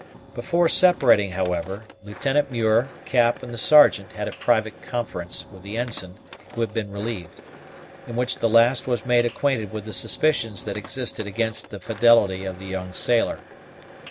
Before separating, however, Lieutenant Muir, Cap, and the Sergeant had a private conference with the ensign who had been relieved, in which the last was made acquainted with the suspicions that existed against the fidelity of the young sailor.